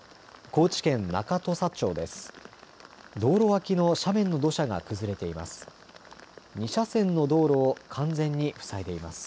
高知県中土佐町です。